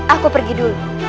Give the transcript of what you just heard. aku pergi dulu